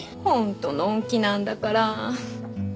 本当のんきなんだから。